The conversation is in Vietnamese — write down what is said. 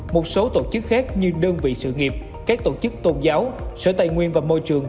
một số tổ chức khác như đơn vị sự nghiệp các tổ chức tôn giáo sở tài nguyên và môi trường